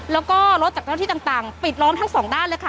แล้วก็รถจากเจ้าที่ต่างปิดล้อมทั้งสองด้านเลยค่ะ